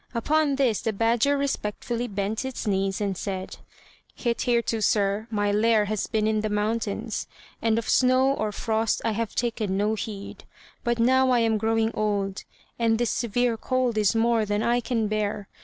Upon this the badger respectfully bent its knees and said: "Hitherto, sir, my lair has been in the mountains, and of snow or frost I have taken no heed; but now I am growing old, and this severe cold is more than I can bear.